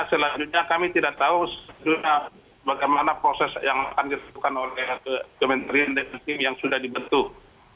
selanjutnya kami tidak tahu bagaimana proses yang akan ditentukan oleh kementerian dan tim yang sudah dibentuk